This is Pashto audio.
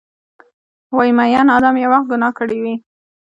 وایې ، میین ادم یو وخت ګناه کړي وه